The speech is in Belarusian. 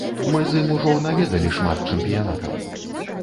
Мы з ім ужо наведалі шмат чэмпіянатаў.